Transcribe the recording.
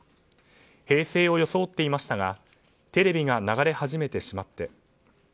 平静を装っていましたがテレビが流れ始めてしまって。